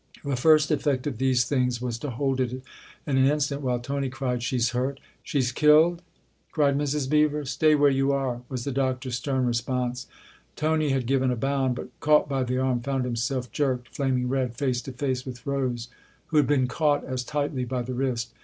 The first effect of these things was to hold it an instant while Tony cried :" She's hurt ?"" She's killed ?" cried Mrs. Beever. THE OTHER HOUSE 253 " Stay where you are !" was the Doctor's stern response. Tony had given a bound, but, caught by the arm, found himself jerked, flaming red, face to face with Rose, who had been caught as tightly by the wrist.